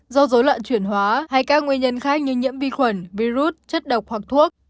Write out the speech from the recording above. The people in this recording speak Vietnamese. do dối loạn chuyển hóa hay các nguyên nhân khác như nhiễm vi khuẩn virus chất độc hoặc thuốc